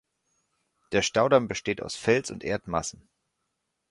Der Staudamm besteht aus Fels- und Erdmassen.